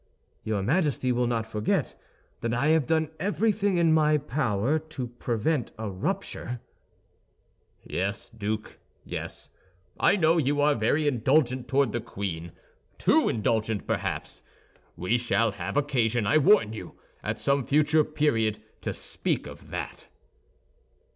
"Your Majesty will not forget that I have done everything in my power to prevent a rupture." "Yes, Duke, yes, I know you are very indulgent toward the queen, too indulgent, perhaps; we shall have occasion, I warn you, at some future period to speak of that."